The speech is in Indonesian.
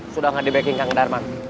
sudah gak di backing kang darman